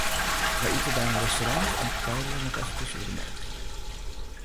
Wy ite by in restaurant en kuierje noch efkes oer de merk.